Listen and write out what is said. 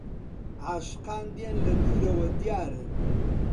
عاشقان دێن لە دوورەوە دیارن